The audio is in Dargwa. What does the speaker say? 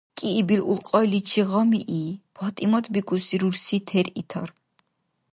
КӀиибил улкьайличи гъамии, ПатӀимат бикӀуси рурси тер итар.